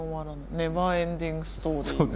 「ネバーエンディング・ストーリー」みたいな。